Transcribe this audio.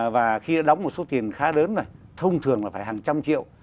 và khi đóng một số tiền khá lớn này thông thường là phải hàng trăm triệu